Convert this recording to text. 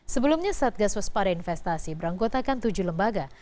sebelumnya satgas waspada investasi beranggotakan tujuh lembaga